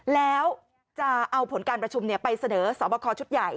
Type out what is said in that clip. แล้วจะเอาผลการประชุมไปเสนอสอบคอชุดใหญ่